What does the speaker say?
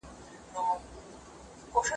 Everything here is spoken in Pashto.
زه اوس بوټونه پاکوم؟!